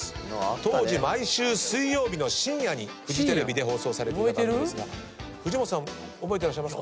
当時毎週水曜日の深夜にフジテレビで放送されていた番組ですが藤本さん覚えてらっしゃいます？